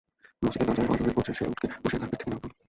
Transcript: মসজিদের দরজার অদূরে পৌঁছে সে উটকে বসিয়ে তার পিঠ থেকে নেমে পড়ল।